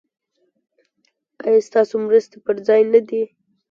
ایا ستاسو مرستې پر ځای نه دي؟